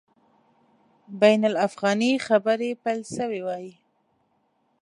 بین الافغاني خبري پیل سوي وای.